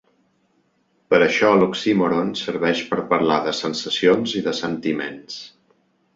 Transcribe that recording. Per això l'oxímoron serveix per parlar de sensacions i de sentiments.